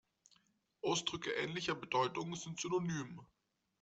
Ausdrücke ähnlicher Bedeutung sind synonym.